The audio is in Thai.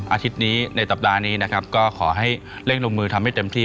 อาทิตย์นี้ในสัปดาห์นี้นะครับก็ขอให้เร่งลงมือทำให้เต็มที่